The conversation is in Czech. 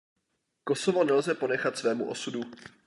Kosovo nelze ponechat svému osudu.